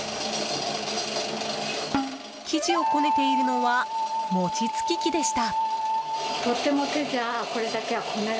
生地をこねているのは餅つき器でした。